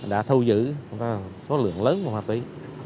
đã thâu giữ số lượng lớn của ma túy